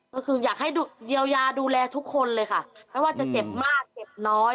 ก็คืออยากให้เยียวยาดูแลทุกคนเลยค่ะไม่ว่าจะเจ็บมากเจ็บน้อย